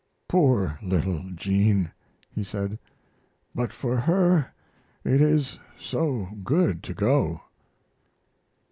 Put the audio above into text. "Poor little Jean," he said; "but for her it is so good to go."